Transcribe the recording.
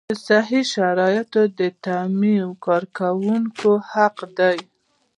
د صحي شرایطو تامین د کارکوونکي حق دی.